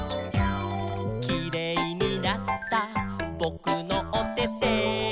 「キレイになったぼくのおてて」